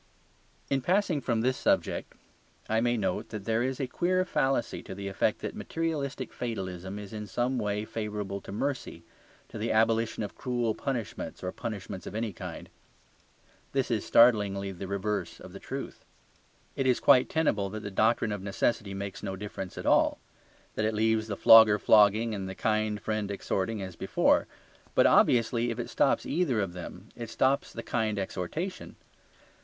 In passing from this subject I may note that there is a queer fallacy to the effect that materialistic fatalism is in some way favourable to mercy, to the abolition of cruel punishments or punishments of any kind. This is startlingly the reverse of the truth. It is quite tenable that the doctrine of necessity makes no difference at all; that it leaves the flogger flogging and the kind friend exhorting as before. But obviously if it stops either of them it stops the kind exhortation.